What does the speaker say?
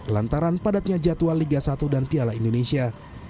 lantaran padatnya jadwal liga satu dan piala indonesia